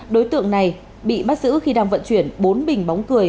đối tượng này bị bắt giữ khi đang vận chuyển bốn bình bóng cười